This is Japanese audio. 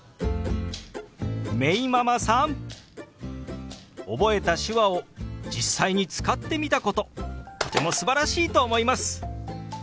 めいママさん覚えた手話を実際に使ってみたこととてもすばらしいと思います。